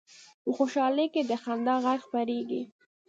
په خوشحالۍ کې د خندا غږ خپرېږي